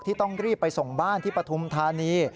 ต้องรีบไปส่งบ้านที่ปฐุมธานี